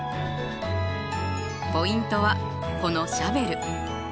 ポイントはこのシャベル。